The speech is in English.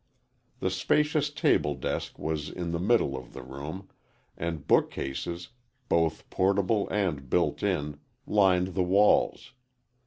The spacious table desk was in the middle of the room, and bookcases, both portable and built in, lined the walls.